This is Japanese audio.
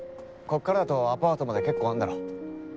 ここからだとアパートまで結構あるだろ。